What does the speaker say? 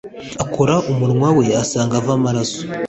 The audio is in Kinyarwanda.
akora umunwa we asanga ava amaraso